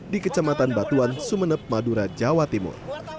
di kecamatan batuan sumeneb madura jawa timur